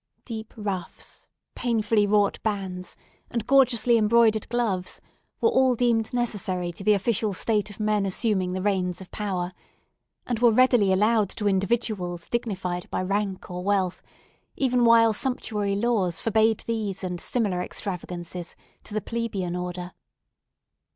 Deep ruffs, painfully wrought bands, and gorgeously embroidered gloves, were all deemed necessary to the official state of men assuming the reins of power, and were readily allowed to individuals dignified by rank or wealth, even while sumptuary laws forbade these and similar extravagances to the plebeian order.